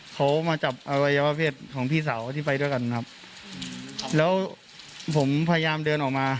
เขามาจับอวัยวะเพศของพี่สาวที่ไปด้วยกันครับแล้วผมพยายามเดินออกมา